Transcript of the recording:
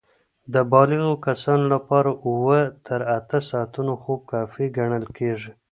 د بالغو کسانو لپاره اووه تر اته ساعتونه خوب کافي ګڼل کېږي.